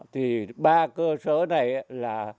thì ba cơ sở này là